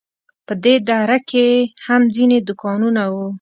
په دې دره کې هم ځینې دوکانونه وو.